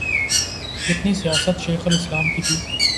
جتنی سیاست شیخ الاسلام کی تھی۔